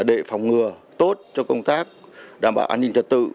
để phòng ngừa tốt cho công tác đảm bảo an ninh trật tự